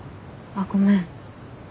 あっごめん。